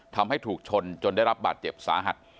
ทำให้ถูกชนจนได้รับบาดเจ็บสาหัส